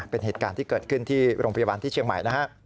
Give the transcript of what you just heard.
เป็นเหตุการณ์ที่เกิดขึ้นที่โรงพยาบาลที่เชียงใหม่นะฮะ